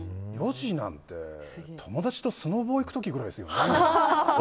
４時なんて友達とスノボ行く時ぐらいですよね。